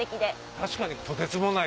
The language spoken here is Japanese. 確かに。